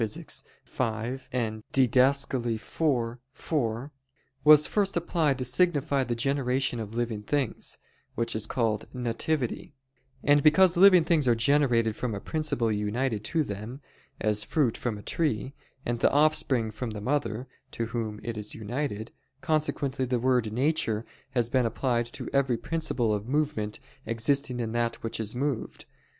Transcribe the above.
v, Did. iv, 4), was first applied to signify the generation of living things, which is called "nativity": and because living things are generated from a principle united to them, as fruit from a tree, and the offspring from the mother, to whom it is united, consequently the word "nature" has been applied to every principle of movement existing in that which is moved.